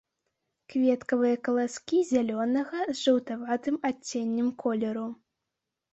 Кветкавыя каласкі зялёнага з жаўтаватым адценнем колеру.